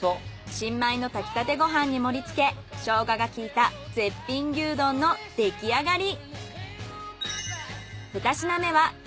新米の炊きたてご飯に盛り付けショウガが効いた絶品牛丼の出来上がり。